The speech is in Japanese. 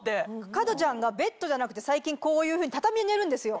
加トちゃんがベッドじゃなくて最近こういうふうに畳で寝るんですよ